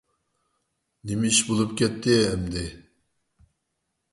نېمە ئىش بولۇپ كەتتى ئەمدى!